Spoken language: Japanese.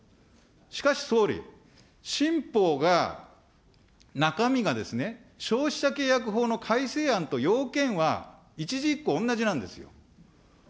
しかし、総理、新法が、中身がですね、消費者契約法の改正案と要件は一字一句同じなんですよ。